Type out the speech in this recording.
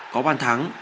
có bàn thắng